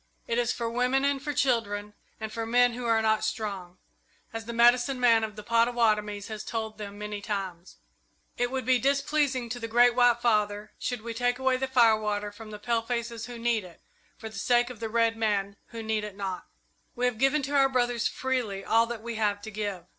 It is for women and for children and for men who are not strong, as the medicine man of the Pottawattomies has told them many times. It would be displeasing to the Great White Father should we take away the firewater from the palefaces who need it, for the sake of the red men who need it not. "We have given to our brothers freely all that we have to give.